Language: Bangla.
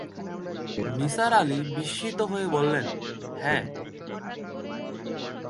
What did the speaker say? নিসার আলি বিস্মিত হয়ে বললেন, হ্যাঁ।